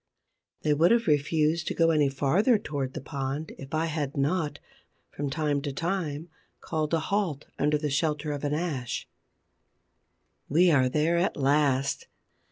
They would have refused to go any farther towards the pond if I had not, from time to time, called a halt under the shelter of an ash. We are there at last.